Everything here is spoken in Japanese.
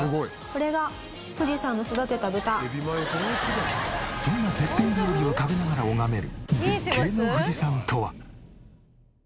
これがそんな絶品料理を食べながら拝める絶景の富士山とは。